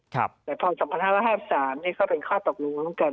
แต่พอในพศ๒๐๕๐เอาไปทำกรดหมาย